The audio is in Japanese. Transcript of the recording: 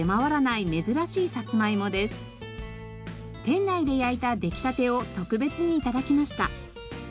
店内で焼いた出来たてを特別に頂きました。